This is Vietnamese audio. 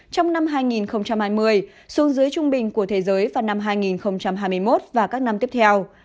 trong năm hai nghìn hai mươi xuống dưới trung bình của thế giới vào năm hai nghìn hai mươi một và các năm tiếp theo